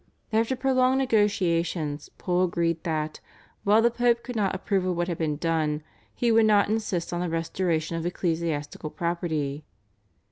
After prolonged negotiations Pole agreed that, while the Pope could not approve of what had been done, he would not insist on the restoration of ecclesiastical property.